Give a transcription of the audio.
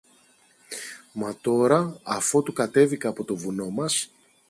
Μα τώρα, αφότου κατέβηκα από το βουνό μας